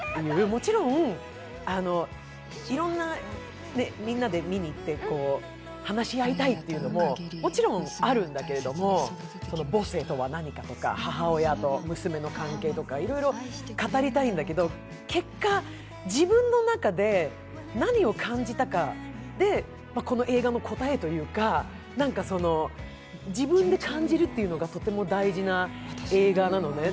もちろん、みんなで見に行って話し合いたいっていうのももちろんあるんだけれども、母性とは何かとか母親と娘の関係とかいろいろ語りたいんだけど結果、自分の中で何を感じたかで、この映画の答えというか、自分で感じるというのがとても大事な映画なのね。